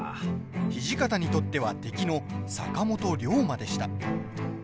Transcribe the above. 土方にとっては敵の坂本龍馬でした。